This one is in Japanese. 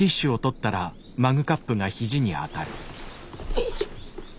よいしょ。